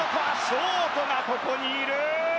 ショートがここにいる！